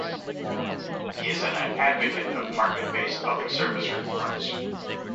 He is an advocate of market-based public service reforms.